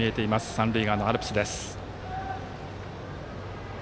三塁側のアルプスです。